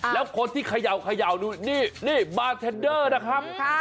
แล้วคนที่เขย่าดูนี่บาร์เทนเดอร์นะครับ